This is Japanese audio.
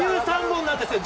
１３本なんですよ！